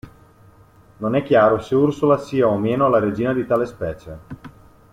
Non è chiaro se Ursula sia o meno la regina di tale specie.